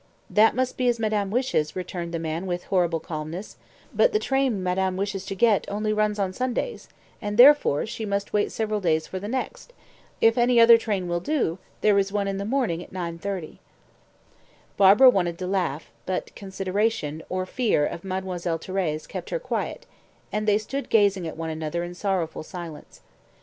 "That must be as madame wishes," returned the man with horrible calmness; "but the train madame wishes to get only runs on Sundays, and, therefore, she must wait several days for the next. If any other train will do, there is one in the morning at 9.30." Barbara wanted to laugh, but consideration or fear of Mademoiselle Thérèse kept her quiet, and they stood gazing at one another in sorrowful silence.